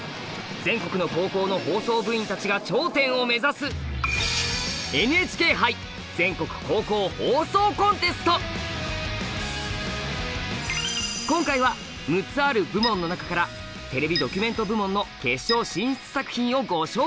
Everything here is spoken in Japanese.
全国の高校の放送部員たちが頂点を目指す今回は６つある部門の中から「テレビドキュメント部門」の決勝進出作品をご紹介！